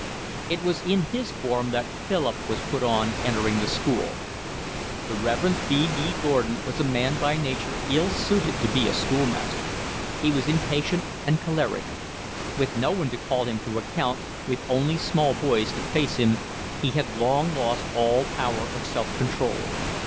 It was in his form that Philip was put on entering the school. The Rev. B. B. Gordon was a man by nature ill suited to be a schoolmaster: he was impatient and choleric. With no one to call him to account, with only small boys to face him, he had long lost all power of self control.